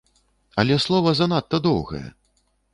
Але слова занадта доўгае!